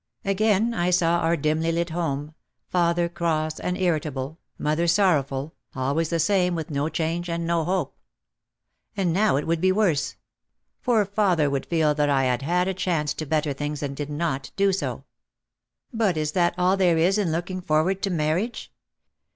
Again I saw our dimly lit home, father cross and irri table, mother sorrowful, always the same with no change and no hope. And now it would be worse. For father would feel that I had had a chance to better things and did not do so. But is that all there is in looking forward to marriage?